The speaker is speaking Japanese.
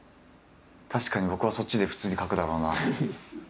確かに僕はそっちで普通に書くだろうなあ。